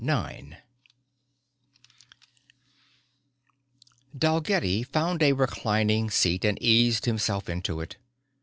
IX Dalgetty found a reclining seat and eased himself into it.